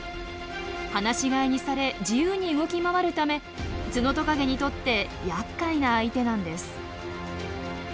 放し飼いにされ自由に動き回るためツノトカゲにとってやっかいな相手なんです。